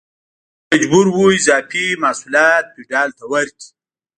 بزګر مجبور و اضافي محصولات فیوډال ته ورکړي.